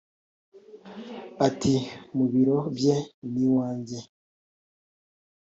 Ati”Mu biro bye n’iwajye